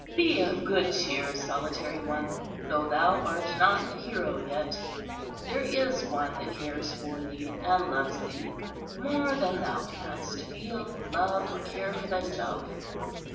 Be of good cheer, solitary one, though thou art not a hero yet! There is One that cares for thee, and loves thee, more than thou canst feel, love, or care for thyself.